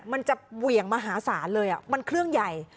มันจะเหวี่ยงมหาศาลเลยมันเครื่องใหญ่